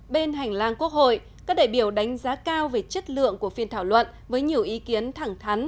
bên hành lang quốc hội các đại biểu đánh giá cao về chất lượng của phiên thảo luận với nhiều ý kiến thẳng thắn